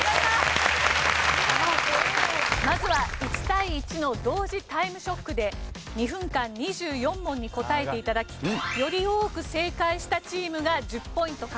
まずは１対１の同時タイムショックで２分間２４問に答えて頂きより多く正解したチームが１０ポイント獲得。